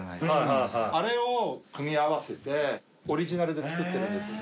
あれを組み合わせてオリジナルで作ってるんです。